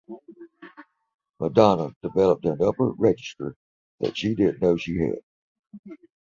Madonna developed an upper register that she didn't know she had.